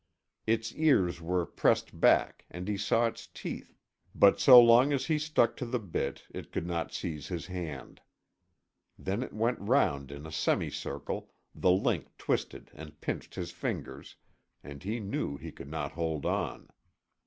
Its ears were pressed back and he saw its teeth, but so long as he stuck to the bit, it could not seize his hand. Then it went round in a semi circle, the link twisted and pinched his fingers, and he knew he could not hold on.